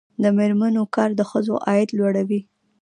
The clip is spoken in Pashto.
د میرمنو کار د ښځو عاید لوړوي.